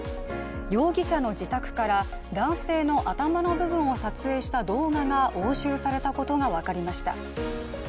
容疑者の自宅から男性の頭の部分を撮影した動画が押収されたことが分かりました。